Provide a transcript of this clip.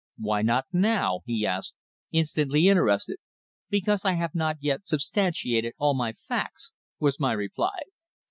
"Why not now?" he asked, instantly interested. "Because I have not yet substantiated all my facts," was my reply.